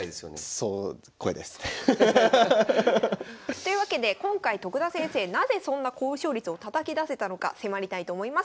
そうというわけで今回徳田先生なぜそんな高勝率をたたき出せたのか迫りたいと思います。